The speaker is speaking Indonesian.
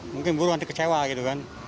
mungkin buruh nanti kecewa gitu kan